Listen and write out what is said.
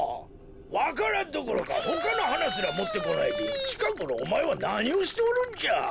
わか蘭どころかほかのはなすらもってこないでちかごろおまえはなにをしておるんじゃ！